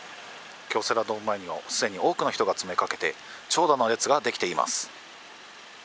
京セラドーム前には、すでに多くの人が詰めかけて長蛇の列が出来ています。